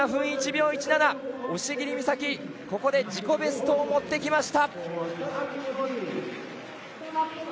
押切美沙紀、ここで自己ベストを持ってきました！